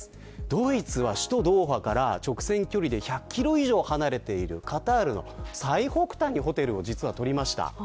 ドイツは首都ドーハから直線距離で１００キロ以上離れているカタールの最北端にホテルを取りました。